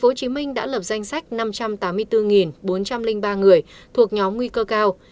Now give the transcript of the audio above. tp hcm đã lập danh sách năm trăm tám mươi bốn bốn trăm linh ba người thuộc nhóm nguy cơ cao